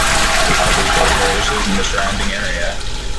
This covers both parishes and the surrounding area.